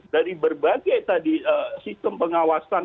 dari berbagai tadi sistem pengawasan